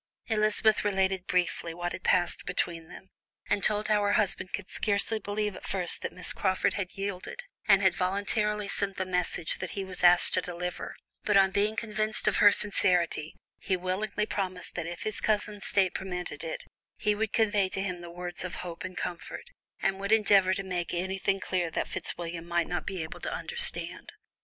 Elizabeth related briefly what had passed between them, and told how her husband could scarcely believe at first that Miss Crawford had yielded, and had voluntarily sent the message that he was asked to deliver, but on being convinced of her sincerity, he willingly promised that if his cousin's state permitted it, he would convey to him the words of hope and comfort, and would endeavour to make anything clear that Fitzwilliam might not be able to understand.